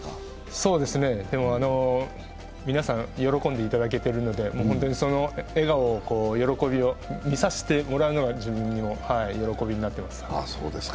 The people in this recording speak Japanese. そうですね、でも、皆さん喜んでいただけてるので、その笑顔を、喜びを見させていただくのが自分の喜びになってます。